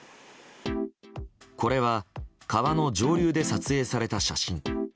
これは川の上流で撮影された写真。